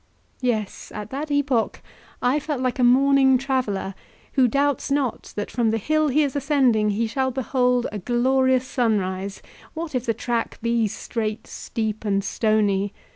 Yes, at that epoch I felt like a morning traveller who doubts not that from the hill he is ascending he shall behold a glorious sunrise; what if the track be strait, steep, and stony?